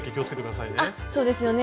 あっそうですよね。